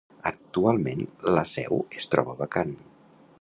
Actualment la seu es troba vacant.